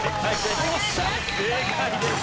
正解です。